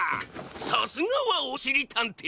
さすがはおしりたんてい！